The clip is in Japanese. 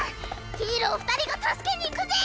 ヒーロー２人が助けに行くぜ！